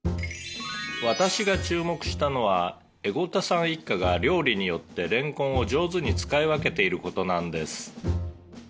「私が注目したのは江後田さん一家が料理によってれんこんを上手に使い分けている事なんです」